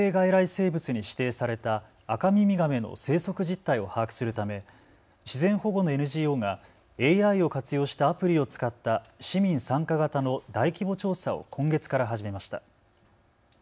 生物に指定されたアカミミガメの生息実態を把握するため自然保護のＮＧＯがＡＩを活用したアプリを使った市民参加型の大規模調査を今月から始めました。